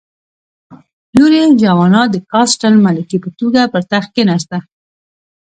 لور یې جوانا د کاسټل ملکې په توګه پر تخت کېناسته.